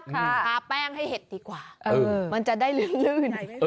ทาแป้งให้เห็ดดีกว่ามันจะได้ลื่น